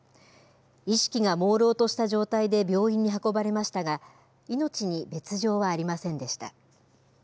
意識がもうろうとした状態で病院に運ばれましたが、命に別状はありませんでした。